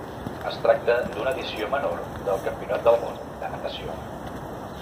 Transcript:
Es tracta d'una edició menor del Campionat del Món de natació.